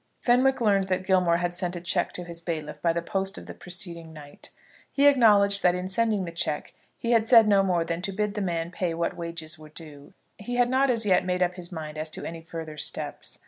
Fenwick learned that Gilmore had sent a cheque to his bailiff by the post of the preceding night. He acknowledged that in sending the cheque he had said no more than to bid the man pay what wages were due. He had not as yet made up his mind as to any further steps.